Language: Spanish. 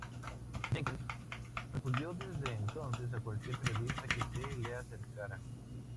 Jenkins repudió desde entonces a cualquier periodista que se le acercara.